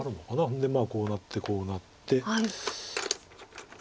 それでこうなってこうなって。